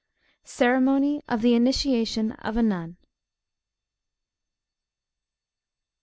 CEREMONY OF THE INITIATION OF A NUN.